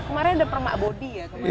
kemarin ada permak bodi ya